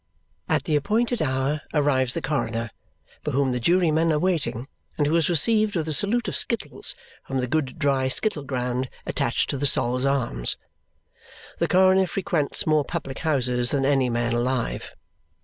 At the appointed hour arrives the coroner, for whom the jurymen are waiting and who is received with a salute of skittles from the good dry skittle ground attached to the Sol's Arms. The coroner frequents more public houses than any man alive.